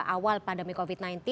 awal pandemi covid sembilan belas